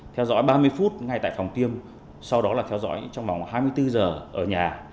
theo dõi ba mươi phút ngay tại phòng tiêm sau đó là theo dõi trong vòng hai mươi bốn giờ ở nhà